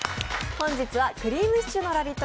本日はクリームシチューのラヴィット！